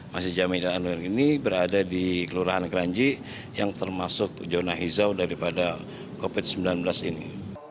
masjid jami dan anwar ini berada di kelurahan kranji yang termasuk zona hijau daripada covid sembilan belas ini